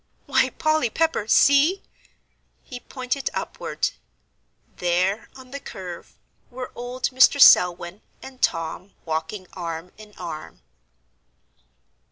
"Why, Polly Pepper, see!" He pointed upward. There, on the curve, were old Mr. Selwyn and Tom walking arm in arm.